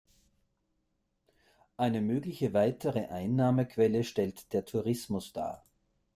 Eine mögliche weitere Einnahmequelle stellt der Tourismus dar.